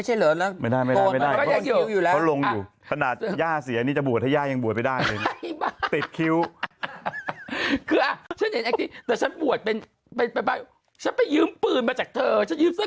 ใช่ไหมด้วยความที่